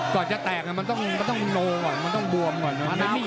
ก่อนจะแตกมันก็ต้องโนก่อนมันต้องบวมก่อน